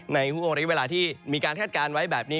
ห่วงระยะเวลาที่มีการคาดการณ์ไว้แบบนี้